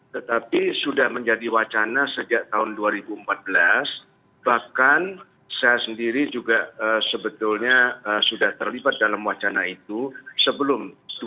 tetapi sudah menjadi wacana sejak tahun dua ribu empat belas bahkan saya sendiri juga sebetulnya sudah terlibat dalam wacana itu sebelum